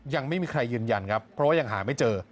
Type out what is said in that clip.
ยังไม่มีใครยืนยันครับเพราะว่ายังหาไม่เจอ